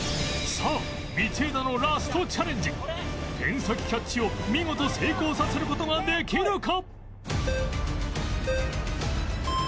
さあ道枝のラストチャレンジペン先キャッチを見事成功させる事ができるか？